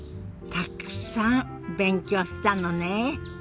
たくさん勉強したのね。